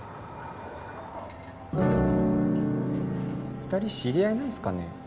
２人知り合いなんすかね？